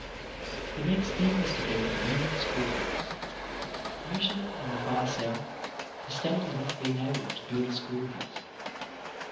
The next thing is to get a convenient school house. Usually, in the far South, the State has not been able to build a school house.